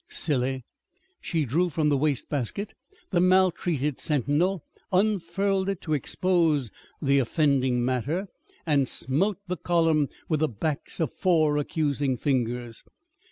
"Silly!" She drew from the waste basket the maltreated Sentinel, unfurled it to expose the offending matter, and smote the column with the backs of four accusing fingers.